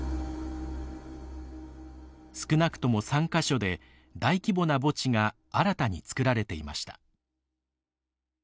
少なくとも３か所で大規模な墓地が新たに作られていました。